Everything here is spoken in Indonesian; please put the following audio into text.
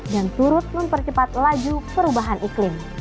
dan turut mempercepat laju perubahan iklim